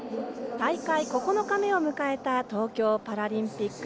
大会９日目を迎えた東京パラリンピック。